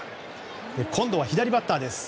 今度は左バッターです。